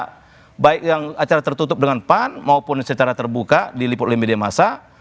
ya baik yang acara tertutup dengan pan maupun secara terbuka di lipo limbidemasa